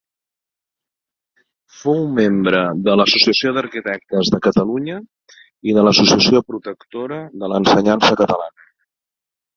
Fou membre de l’Associació d’Arquitectes de Catalunya i de l’Associació Protectora de l’Ensenyança Catalana.